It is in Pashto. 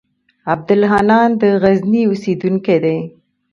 عبدالحنان د غزني اوسېدونکی دی.